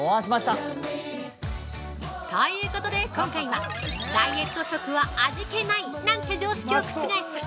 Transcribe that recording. ◆ということで今回は、ダイエット食は味気ない！なんて常識を覆す！